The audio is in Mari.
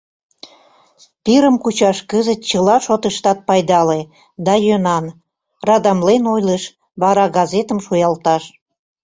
Пирым кучаш кызыт чыла шотыштат пайдале да йӧнан, — радамлен ойлыш, вара газетым шуялташ.